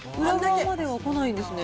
このままではこないんですね。